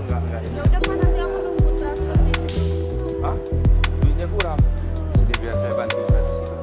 kalau yang biasa satu ratus lima puluh